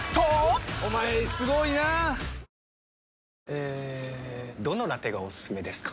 えどのラテがおすすめですか？